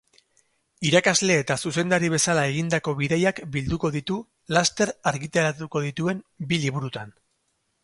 Irakasle eta zuzendari bezala egindako bidaiak bilduko ditu laster argitaratuko dituen bi liburutan.